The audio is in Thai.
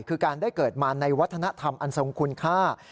คือการได้เกิดมาในวัฒนธรรมอันทรงคุณค่า